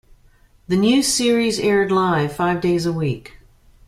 The new series aired live, five days a week.